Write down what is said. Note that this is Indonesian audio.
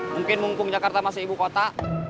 mungkin mumpung jakarta masih ibu kota